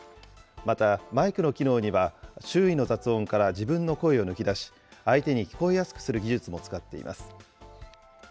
また、マイクの機能には、周囲の雑音から自分の声を抜き出し、相手に聞こえやすくする技術も使っています。